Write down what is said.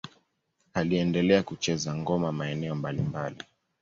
Aliendelea kucheza ngoma maeneo mbalimbali.